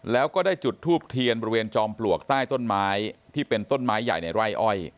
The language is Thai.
แล้วก็ได้จุดทูบเทียนบริเวณจอมปลวกใต้ต้นไม้ที่เป็นต้นไม้ใหญ่ในไร่อ้อย